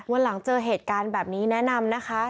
วันหลังเจอเหตุการณ์แบบนี้แนะนำนะคะ